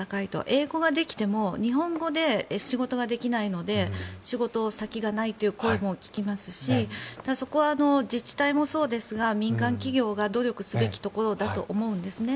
英語ができても日本語で仕事ができないので仕事先がないという声も聞きますしそこは自治体もそうですが民間企業が努力すべきところだと思うんですね。